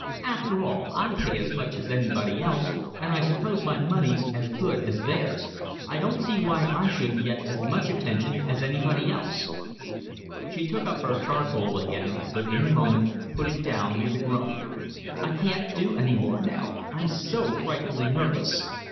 After all I pay as much as anybody else, and I suppose my money's as good as theirs. I don't see why I shouldn't get as much attention as anybody else." She took up her charcoal again, but in a moment put it down with a groan. "I can't do any more now. I'm so frightfully nervous."